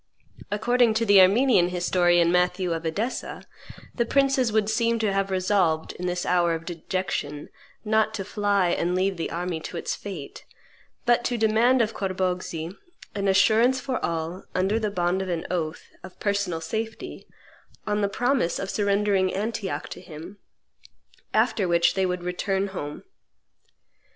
According to the Armenian historian Matthew of Edessa, the princes would seem to have resolved, in this hour of dejection, not to fly and leave the army to its fate, but "to demand of Corboghzi an assurance for all, under the bond of an oath, of personal safety, on the promise of surrendering Antioch to him; after which they would return home."